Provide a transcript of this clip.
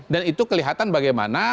dan itu kelihatan bagaimana